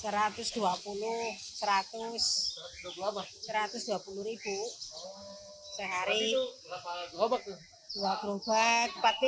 satu ratus dua puluh rupiah sehari